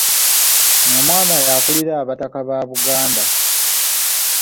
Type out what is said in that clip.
Namwama y’akulira abataka ba Buganda.